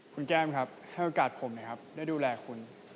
คุณแก้มครับให้โอกาสผมนะครับได้ดูแลคุณ